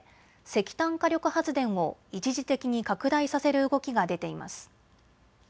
石炭火力発電を一時的に拡大させる動きが出ています。